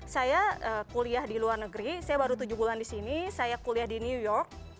saya kuliah di luar negeri saya baru tujuh bulan di sini saya kuliah di new york